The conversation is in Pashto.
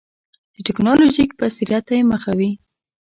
د ټکنالوژیک بصیرت ته یې مخه وي.